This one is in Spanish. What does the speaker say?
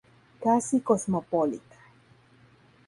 Casi cosmopolita.